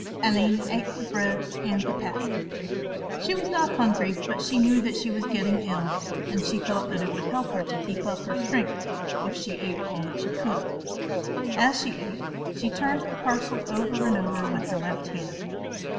Aline ate the bread and the pasty. She was not hungry but she knew that she was getting ill and she thought that it would help her to keep up her strength, if she ate all that she could. As she ate, she turned the parcel over and over with her left hand.